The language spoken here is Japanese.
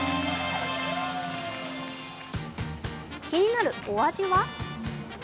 気になるお味は？